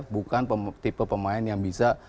bukan tipe pemain yang bisa